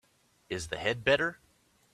Is the head better?